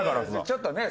ちょっとね。